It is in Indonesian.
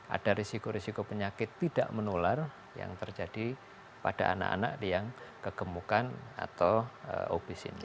ada risiko risiko penyakit tidak menular yang terjadi pada anak anak yang kegemukan atau obes ini